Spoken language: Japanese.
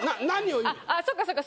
あっそっかそっか。